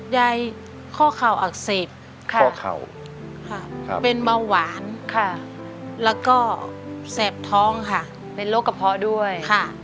ยาย